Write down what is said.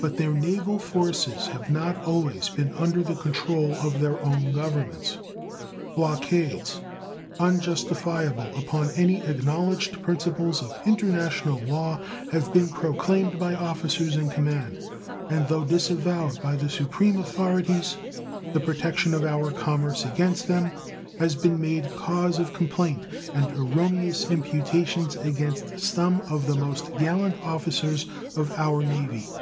But their naval forces have not always been under the control of their own Governments. Blockades, unjustifiable upon any acknowledged principles of international law, have been proclaimed by officers in command, and though disavowed by the supreme authorities, the protection of our own commerce against them has been made cause of complaint and erroneous imputations against some of the most gallant officers of our Navy.